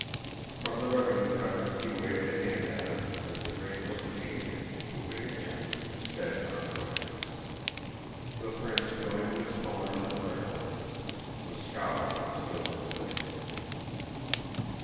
From the revenue cutter he waved a hand at her as the great Lusitania, moving again, sped on her way. The prince joined Miss Thorne at the rail. The scowl was still on his face.